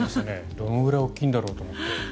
どのぐらい大きいんだろうと思って。